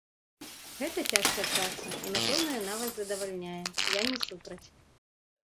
Гэта цяжкая праца, і напэўна, яна вас задавальняе, я не супраць.